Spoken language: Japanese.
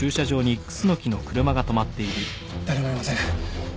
誰もいません。